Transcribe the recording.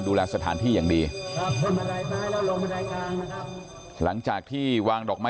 สุดท้ายนะครับทุกคนครับ